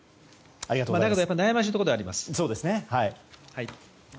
だけど悩ましいところではあります。